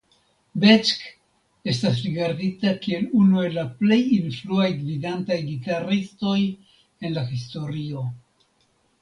Beck estas rigardita kiel unu el plej influaj gvidantaj gitaristoj en la historio.